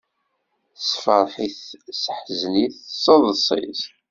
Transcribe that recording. Sefreḥ-it, seḥzen-it, seḍs-it.